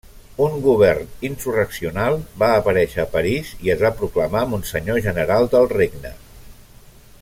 Un govern insurreccional va aparèixer a París i es va proclamar monsenyor general del regne.